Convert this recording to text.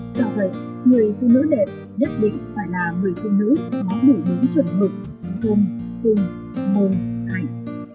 do vậy người phụ nữ đẹp nhất định phải là người phụ nữ có bủi búng chuẩn mực công dung môn hạnh